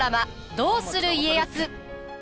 「どうする家康」。